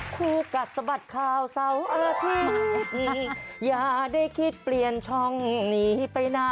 คู่กัดสะบัดข่าวเสาร์อาทิตย์อย่าได้คิดเปลี่ยนช่องหนีไปนะ